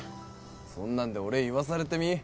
そんなんでお礼言わされてみ？